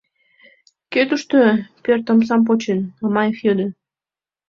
— Кӧ тушто? — пӧрт омсам почын, Мамаев йодо.